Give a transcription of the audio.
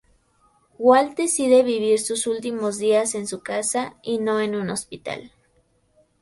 Walt decide vivir sus últimos días en su casa, y no en un hospital.